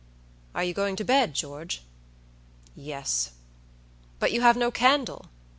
"Are you going to bed, George?" "Yes." "But you have no candle."